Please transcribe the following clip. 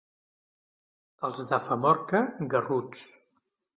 Els de Famorca, garruts.